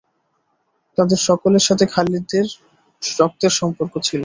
তাদের সকলের সাথে খালিদের রক্তের সম্পর্ক ছিল।